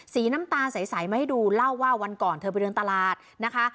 สีน้ำตาใสมาให้ดูเล่าว่าวันก่อนเธอไปเดินตลาดนะคะ